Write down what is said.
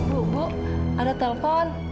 bu bu ada telepon